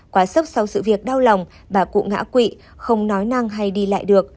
quá sốc sau sự việc đau lòng bà cụ ngã quỵ không nói năng hay đi lại được